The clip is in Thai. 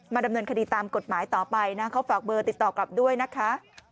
ดำเนินคดีตามกฎหมายต่อไปนะเขาฝากเบอร์ติดต่อกลับด้วยนะคะ